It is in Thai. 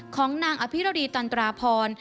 ของนางอภิรดีตันตราพร